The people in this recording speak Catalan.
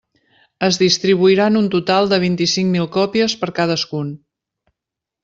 Es distribuiran un total de vint-i-cinc mil còpies per cadascun.